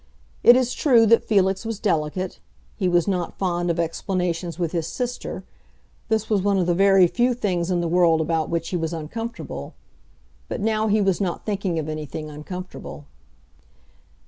It is true that Felix was delicate; he was not fond of explanations with his sister; this was one of the very few things in the world about which he was uncomfortable. But now he was not thinking of anything uncomfortable.